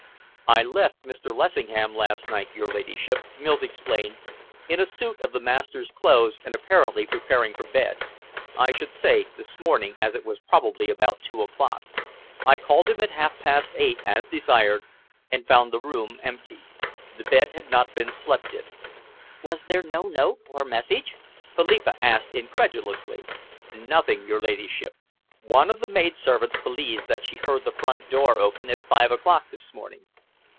"I left Mr. Lessingham last night, your ladyship," Mills explained, "in a suit of the master's clothes and apparently preparing for bed I should say this morning, as it was probably about two o'clock. I called him at half past eight, as desired, and found the room empty. The bed had not been slept in." "Was there no note or message?" Philippa asked incredulously. "Nothing, your ladyship. One of the maid servants believes that she heard the front door open at five o'clock this morning."